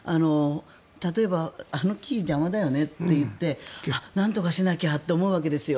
例えばあの木、邪魔だよねと言ってなんとかしなきゃと思うわけですよ。